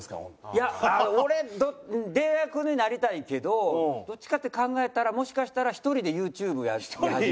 いや俺出役になりたいけどどっちかって考えたらもしかしたら１人でＹｏｕＴｕｂｅやり始めるかも。